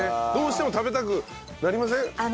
どうしても食べたくなりません？